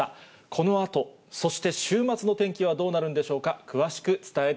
このあと、そして週末の天気はどうなるんでしょうか。